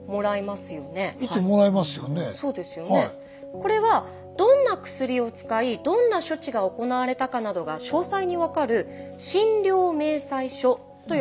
これはどんな薬を使いどんな処置が行われたかなどが詳細に分かる「診療明細書」と呼ばれるものです。